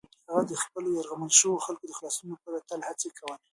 هغه د خپلو یرغمل شویو خلکو د خلاصون لپاره تل هڅې کولې.